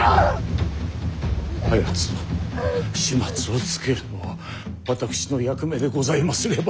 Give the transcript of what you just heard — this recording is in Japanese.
あやつの始末をつけるのは私の役目でございますれば。